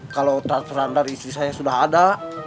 kalau tar terandar istri saya sudah ada